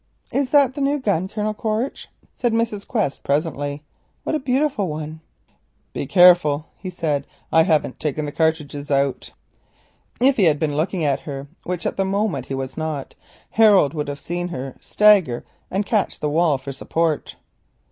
"Is that the new gun, Colonel Quaritch?" said Mrs. Quest presently; "what a beautiful one!" "Be careful," he said, "I haven't taken the cartridges out." If he had been looking at her, which at that moment he was not, Harold would have seen her stagger and catch at the wall for support.